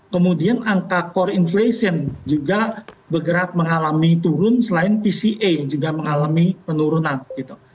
kemudian angka core inflation juga bergerak mengalami turun selain pca juga mengalami penurunan gitu